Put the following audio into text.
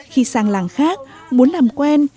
khi sang làng khác muốn làm quen